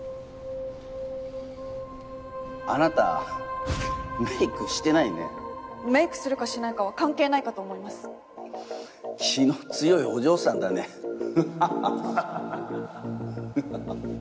あなたメイクしてないねメイクするかしないかは関係ないかと思い気の強いお嬢さんだねハハハ